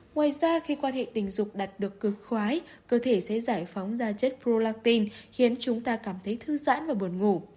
ngoài ra khi quan hệ tình dục đạt được cơ khói cơ thể sẽ giải phóng ra chất prolactin khiến chúng ta cảm thấy thư giãn và buồn ngủ